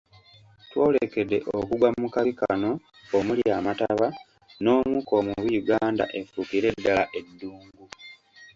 Twolekedde okugwa mu kabi kano omuli amataba n’omukka omubi Uganda efuukire ddala eddungu.